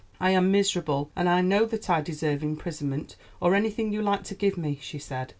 "I am miserable, and I know that I deserve imprisonment, or anything you like to give me," she said.